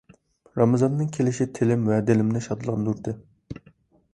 رامىزاننىڭ كېلىشى تىلىم ۋە دىلىمنى شادلاندۇردى.